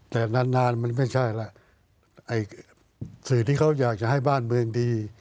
แต่นานมันไม่ใช่แล้วสื่อที่เขาอยากจะให้บ้านเมืองดี